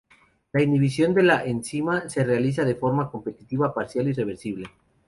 La inhibición de la enzima se realiza de forma competitiva, parcial y reversible.